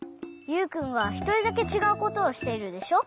ユウくんがひとりだけちがうことをしているでしょ？